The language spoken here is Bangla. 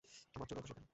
আমার চূড়ান্ত শিকারের।